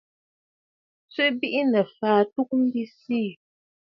Tswe biʼinə̀ fàa ɨtugə mbi siì.